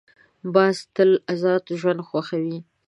باز تل آزاد ژوند خوښوي